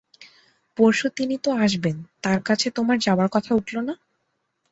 পরশু তিনি তো আসবেন, তাঁর কাছে তোমার যাবার কথা উঠল না?